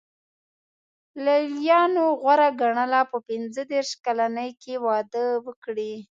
لېلیانو غوره ګڼله په پنځه دېرش کلنۍ کې واده وکړي.